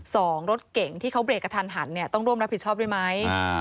รถเก่งที่เขาเบรกกระทันหันเนี่ยต้องร่วมรับผิดชอบด้วยไหมอ่า